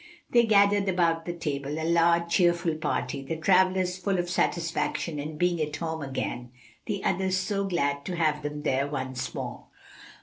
They gathered about the table, a large cheerful party, the travellers full of satisfaction in being at home again, the others so glad to have them there once more.